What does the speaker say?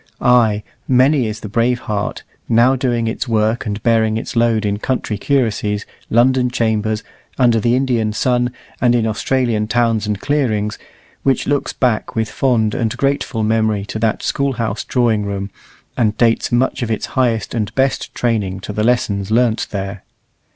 Ay, many is the brave heart, now doing its work and bearing its load in country curacies, London chambers, under the Indian sun, and in Australian towns and clearings, which looks back with fond and grateful memory to that School house drawing room, and dates much of its highest and best training to the lessons learnt there.